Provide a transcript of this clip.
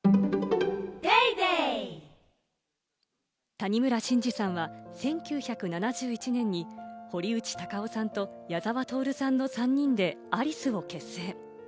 谷村新司さんは１９７１年に堀内孝雄さんと矢沢透さんの３人でアリスを結成。